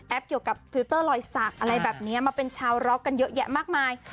เกี่ยวกับทวิวเตอร์ลอยสักอะไรแบบนี้มาเป็นชาวร็อกกันเยอะแยะมากมาย